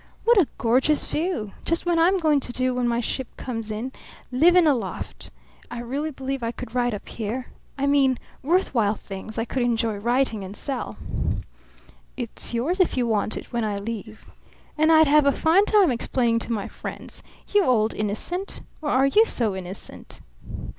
"What a gorgeous view! Just what I'm going to do when my ship comes in live in a loft. I really believe I could write up here I mean worth while things I could enjoy writing and sell." "It's yours if you want it when I leave." "And I'd have a fine time explaining to my friends! You old innocent! ... Or are you so innocent?"